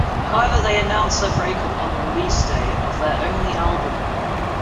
However, they announced their break up on the release day of their only album.